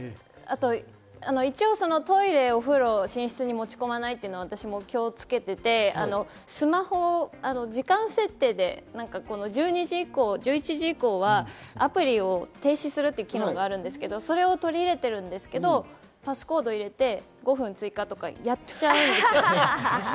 一応お風呂、トイレ、寝室に持ち込まないっていうのは気をつけていて、時間設定で１２時以降、１１時以降はアプリを停止するという機能があるんですけど、それを取り入れているんですけど、パスコードを入れて５分追加とかやっちゃうんですよ。